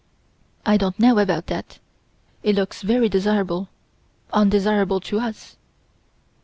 I don't know about that. It looks very desirable undesirable to us.